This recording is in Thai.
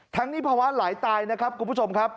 นี้ภาวะหลายตายนะครับคุณผู้ชมครับ